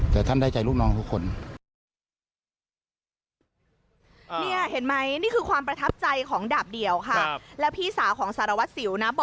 แต่ท่านได้ใจลูกน้องทุกคน